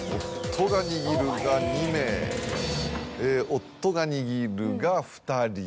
夫が握るが２人。